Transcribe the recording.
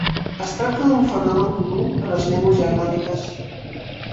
Es tracta d’un fenomen comú a les llengües germàniques.